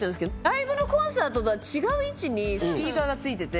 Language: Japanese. ライブのコンサートとは違う位置にスピーカーがついてて。